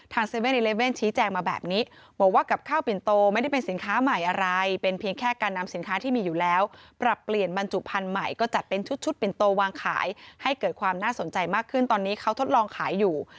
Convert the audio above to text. ๗๑๑ชี้แจงมาแบบนี้บอกว่ากับข้าวปิ่นโตไม่ได้เป็นสินค้าใหม่อะไรเป็นเพียงแค่การนำสินค้าที่มีอยู่แล้วปรับเปลี่ยนบรรจุพันธุ์ใหม่ก็จัดเป็นชุดปิ่นโตวางขายให้เกิดความน่าสนใจมากขึ้นตอนนี้เขาทดลองขายอยู่